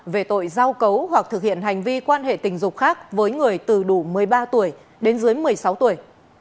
về tội giao cấu hoặc thực hiện hành vi quan hệ tình dục khác với người từ đủ một mươi ba tuổi đến dưới một mươi sáu tuổi